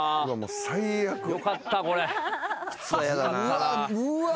うわっうわ。